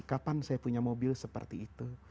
kapan saya punya mobil seperti itu